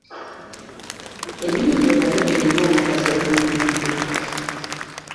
Ennyindo nayo erina omugaso ku muntu.